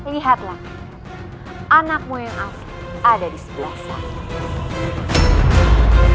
lihatlah anakmu yang aku ada di sebelah sana